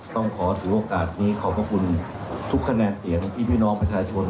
ต้องขอถือโอกาสนี้ขอบพระคุณทุกคะแนนเสียงที่พี่น้องประชาชน